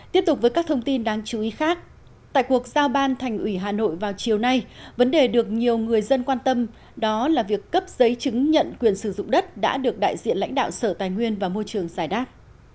tiếp tục với các thông tin đáng chú ý khác tại cuộc giao ban thành ủy hà nội vào chiều nay vấn đề được nhiều người dân quan tâm đó là việc cấp giấy chứng nhận quyền sử dụng đất đã được đại diện lãnh đạo sở tài nguyên và môi trường giải đáp